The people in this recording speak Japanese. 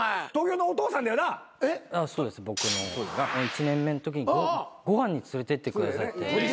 １年目のときにご飯に連れてってくださって。